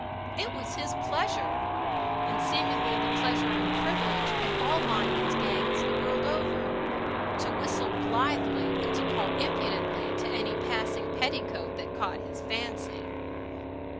It was his pleasure and seemingly the pleasure and privilege of all lineman's gangs the world over to whistle blithely and to call impudently to any passing petticoat that caught his fancy.